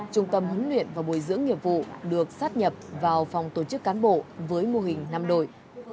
trung tâm huấn luyện và bồi dưỡng nghiệp vụ được sát nhập vào phòng tổ chức cán bộ với mô hình năm đội